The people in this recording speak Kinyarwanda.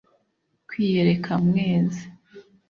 Kwiyereka Mwezi,